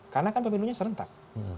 karena kan pemilihannya serentak